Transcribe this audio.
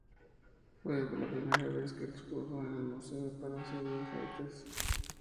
Fue la primera vez que expuso en el Museo del Palacio de Bellas Artes.